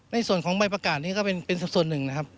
ในส่วนของใบประกาศนี้ก็เป็นส่วนหนึ่งนะครับ